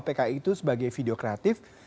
pki itu sebagai video kreatif